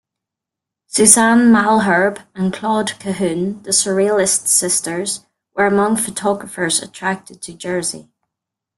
Suzanne Malherbe and Claude Cahun, the "Surrealist Sisters" were among photographers attracted to Jersey.